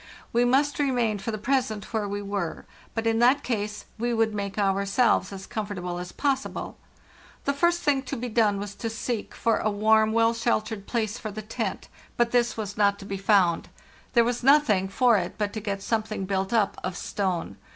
We must remain for the present where we were; but in that case we would make ourselves as comfortable as possible. The first thing to be done was to seek for a warm, well sheltered place for the tent, but this was not to be 390 FARTHEST NORTH found. There was nothing for it but to get something built up of stone.